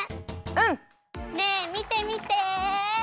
うん！ねえみてみて！